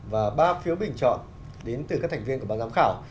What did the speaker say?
và ba phiếu bình chọn đến từ các thành viên của ban giám khảo